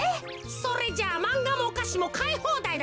それじゃあまんがもおかしもかいほうだいだな。